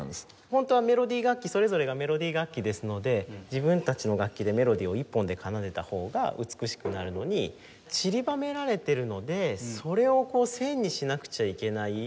ホントはメロディー楽器それぞれがメロディー楽器ですので自分たちの楽器でメロディーを一本で奏でた方が美しくなるのにちりばめられてるのでそれを線にしなくちゃいけない。